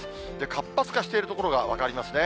活発化している所が分かりますね。